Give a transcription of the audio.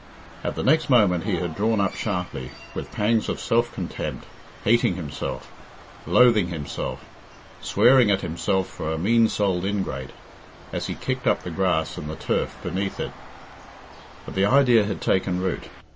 At the next moment he had drawn up sharply, with pangs of self contempt, hating himself, loathing himself, swearing at himself for a mean souled ingrate, as he kicked up the grass and the turf beneath it But the idea had taken root.